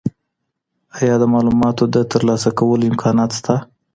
ایا د معلوماتو د ترلاسه کولو امکانات شته؟